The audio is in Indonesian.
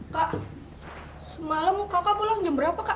kak semalam kakak pulang jam berapa kak